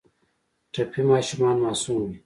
ټپي ماشومان معصوم وي.